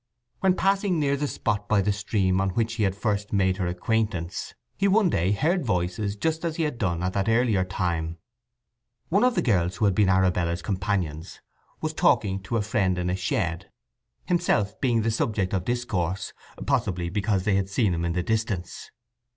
When passing near the spot by the stream on which he had first made her acquaintance he one day heard voices just as he had done at that earlier time. One of the girls who had been Arabella's companions was talking to a friend in a shed, himself being the subject of discourse, possibly because they had seen him in the distance.